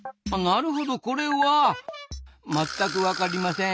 なるほどこれは全くわかりません。